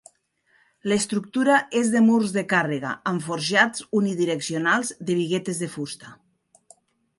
L'estructura és de murs de càrrega, amb forjats unidireccionals de biguetes de fusta.